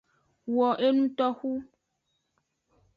Wo enutnoxu.